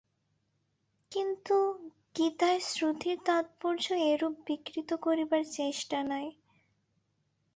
কিন্তু গীতায় শ্রুতির তাৎপর্য এরূপ বিকৃত করিবার চেষ্টা নাই।